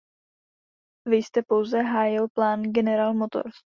Vy jste pouze hájil plán General Motors.